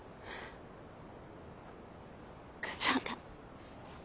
クソが。